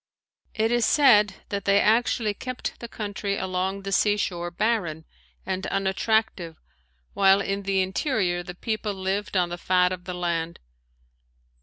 It is said that they actually kept the country along the sea shore barren and unattractive while in the interior the people lived on the fat of the land.